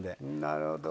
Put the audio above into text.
なるほど。